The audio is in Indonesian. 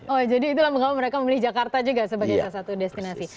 oh jadi itulah mengapa mereka memilih jakarta juga sebagai salah satu destinasi